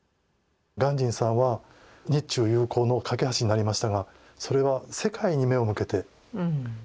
鑑真さんは日中友好の架け橋になりましたがそれは世界に目を向けてそれこそ仏教者